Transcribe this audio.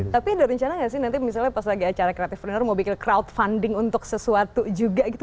tapi ada rencana nggak sih nanti misalnya pas lagi acara creative pruner mau bikin crowdfunding untuk sesuatu juga gitu